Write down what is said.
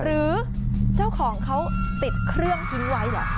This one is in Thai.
หรือเจ้าของเขาติดเครื่องทิ้งไว้เหรอคะ